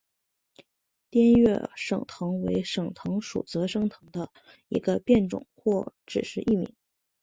滇越省藤为省藤属泽生藤的一个变种或只是异名。